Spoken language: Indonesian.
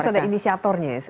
mereka harus ada inisiatornya ya